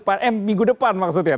bayarnya nunggu gajian dulu minggu depan